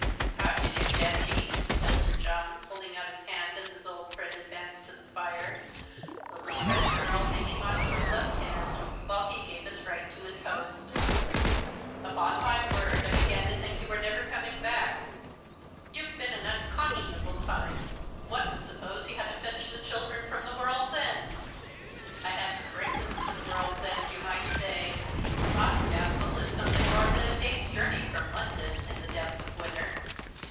"How d'ye do, Danby?" said Sir John, holding out his hand as his old friend advanced to the fire, the little red girl hanging on to his left hand, while he gave his right to his host. "Upon my word, I began to think you were never coming back. You've been an unconscionable time. One would suppose you had to fetch the children from the world's end." "I had to bring them to the world's end, you might say. Boscastle is something more than a day's journey from London in the depth of winter."